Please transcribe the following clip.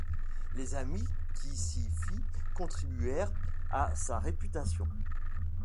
Les amis qu’il s’y fit contribuèrent à sa réputation.